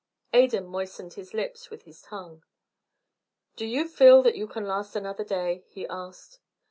Adan moistened his lips with his tongue. "Do you feel that you can last another day?" he asked.